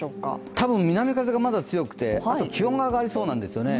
多分南風がまだ強くて、あと気温が上がりそうなんですよね。